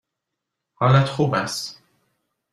حالت خوب است؟